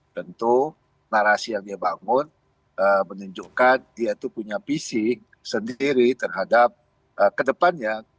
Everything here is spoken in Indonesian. tentu narasi yang dia bangun menunjukkan dia itu punya fisik sendiri terhadap kedepannya